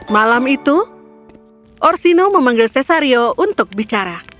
malam itu orsino memanggil cesario untuk bicara